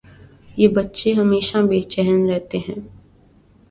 یہ بچے ہمیشہ بے چین رہتیں ہیں